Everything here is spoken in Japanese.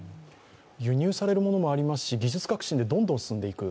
輸入されるものもありますし技術革新でどんどん進んでいく。